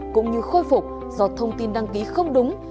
cũng như khôi phục do thông tin đăng ký không đúng